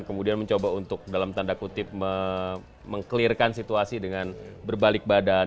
kemudian mencoba untuk dalam tanda kutip meng clearkan situasi dengan berbalik badan